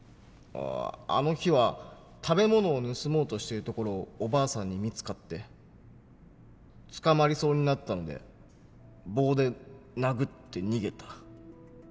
ああの日は食べ物を盗もうとしてるところをおばあさんに見つかって捕まりそうになったので棒で殴って逃げた。